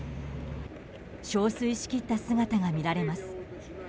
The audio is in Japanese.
憔悴しきった姿が見られます。